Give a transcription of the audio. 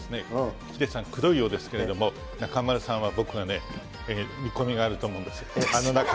ヒデさん、くどいようですけれども、中丸さんは僕がね、見込みがあると思うんです。